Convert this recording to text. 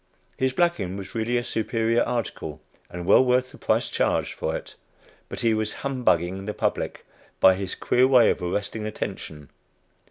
His blacking was really a superior article, and well worth the price charged for it, but he was "humbugging" the public by this queer way of arresting attention.